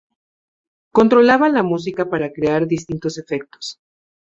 Controlaba la música para crear distintos efectos.